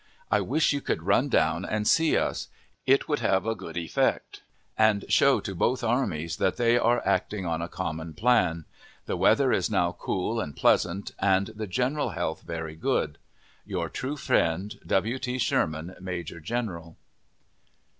I wish you could run down and see us; it would have a good effect, and show to both armies that they are acting on a common plan. The weather is now cool and pleasant, and the general health very good. Your true friend, W. T. SHERMAN Major General.